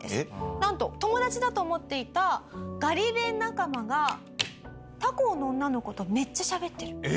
なんと友達だと思っていたガリ勉仲間が他校の女の子とめっちゃしゃべってる！